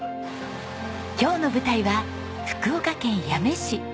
今日の舞台は福岡県八女市。